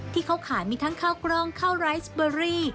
ที่เขาขายมีทั้งข้าวกล้องข้าวไรสเบอรี่